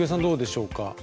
どうでしょうか？